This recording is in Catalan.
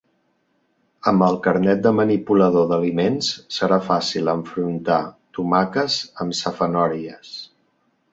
Amb el carnet de manipulador d'aliments serà fàcil enfrontar tomaques amb safanòries.